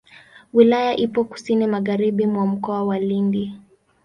Wilaya ipo kusini magharibi mwa Mkoa wa Lindi.